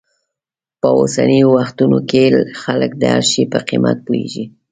په اوسنیو وختونو کې خلک د هر شي په قیمت پوهېږي.